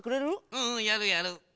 うんうんやるやる。